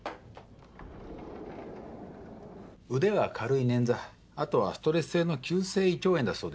腕は軽い捻挫あとはストレス性の急性胃腸炎だそうです。